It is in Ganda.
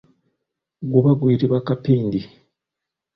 Guba guyitibwa kampindi.